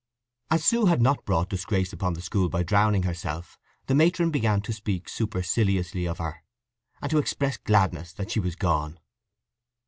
As Sue had not brought disgrace upon the school by drowning herself, the matron began to speak superciliously of her, and to express gladness that she was gone.